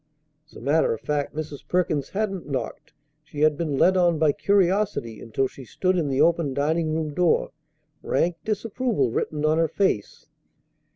As a matter of fact Mrs. Perkins hadn't knocked. She had been led on by curiosity until she stood in the open dining room door, rank disapproval written on her face.